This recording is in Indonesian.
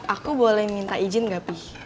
aku boleh minta izin nggak pi